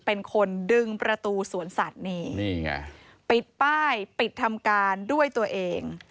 เป็นคนดึงประตูสวนสัตว์นี่นี่ไงปิดป้ายปิดทำการด้วยตัวเอง